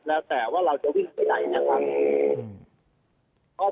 แล้วแต่ว่าเราจะวิ่งไปไหนนะครับ